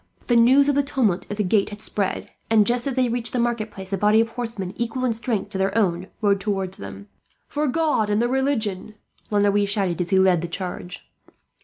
The news of the tumult at the gate had spread and, just as they reached the marketplace, a body of horsemen, equal in strength to their own, rode towards them. "For God and the religion!" La Noue shouted, as he led the charge.